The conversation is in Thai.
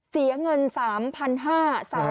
จะ